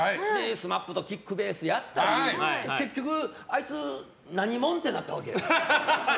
ＳＭＡＰとキックベースやったり結局、あいつ何者？ってなったわけよ。